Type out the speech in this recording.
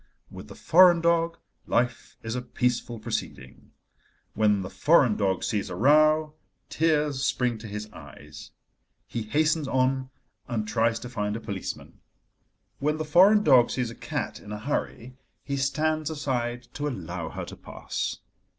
With the foreign dog, life is a peaceful proceeding. When the foreign dog sees a row, tears spring to his eyes: he hastens on and tries to find a policeman. When the foreign dog sees a cat in a hurry, he stands aside to allow her to pass.